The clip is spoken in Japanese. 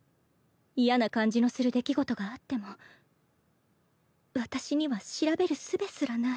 嫌な感じのする出来事があっても私には調べるすべすらない。